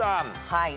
はい。